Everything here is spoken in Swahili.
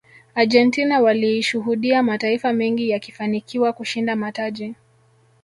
argentina waliishuhudia mataifa mengi yakifanikiwa kushinda mataji